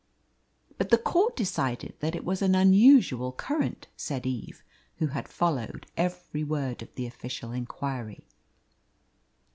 "But the Court decided that it was an unusual current," said Eve, who had followed every word of the official inquiry.